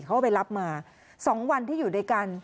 เขาก็ไปรับมา๒วันที่อยู่ด้วยกัน